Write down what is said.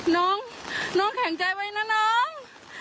น้องน้องแข็งใจไว้นะน้อง